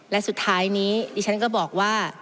และสุดท้ายนี้ดิฉันก็บอกว่า